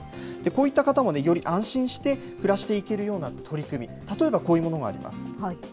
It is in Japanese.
こういった方もより安心して暮らしていけるような取り組み、例えばこういうものがあります。